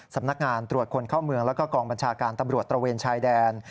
สำนักงานตรวจคนเข้าเมืองแล้วก็กองบัญชาการตำรวจตระเวนชายแดน